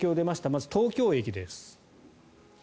まず東京駅です。